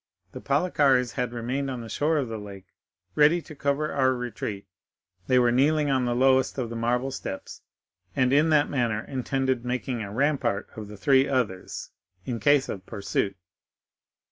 The Palikares had remained on the shore of the lake, ready to cover our retreat; they were kneeling on the lowest of the marble steps, and in that manner intended making a rampart of the three others, in case of pursuit.